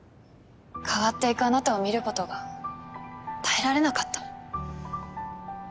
変わっていくあなたを見ることが耐えられなかった。